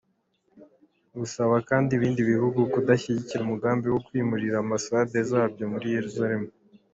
Busaba kandi ibindi bihugu kudashyigikira umugambi wo kwimurira ambasade zabyo muri Yeruzalemu.